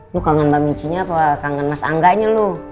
lu kangen mbak micinya apa kangen mas angganya loh